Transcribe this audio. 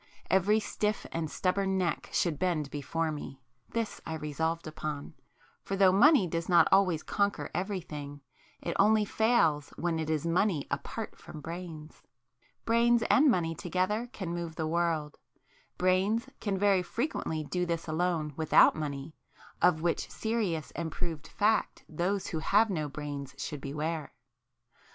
Every stiff and stubborn neck should bend before me;—this I resolved upon; for though money does not always conquer everything, it only fails when it is money apart from brains. Brains and money together can move the world,—brains can very frequently do this alone without money, of which serious and proved fact those who have no brains should beware!